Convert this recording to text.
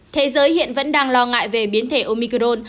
thế giới hiện vẫn đang lo ngại về biến thể omicron